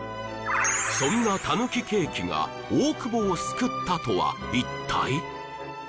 そんなたぬきケーキが大久保を救ったとは一体？